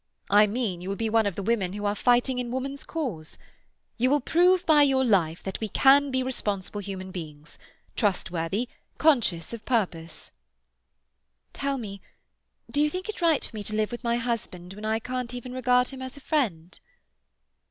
I mean, you will be one of the women who are fighting in woman's cause. You will prove by your life that we can be responsible human beings—trustworthy, conscious of purpose." "Tell me—do you think it right for me to live with my husband when I can't even regard him as a friend?"